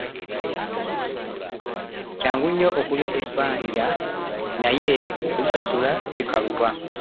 Kyangu nnyo okulya ebbanja naye okulisasula kukaluba.